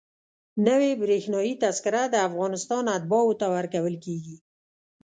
نوې برېښنایي تذکره د افغانستان اتباعو ته ورکول کېږي.